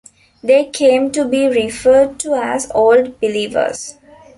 They came to be referred to as Old Believers.